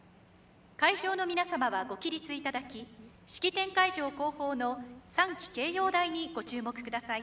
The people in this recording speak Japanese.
会場の皆様はご起立いただき式典会場後方の三旗掲揚台にご注目ください。